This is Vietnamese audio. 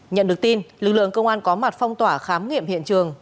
nhận được tin lực lượng công an có mặt phong tỏa khám nghiệm hiện trường